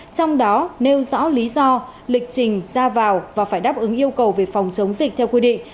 trong đó nêu rõ lý do lịch trình ra vào và phải đáp ứng yêu cầu về phòng chống dịch theo quy định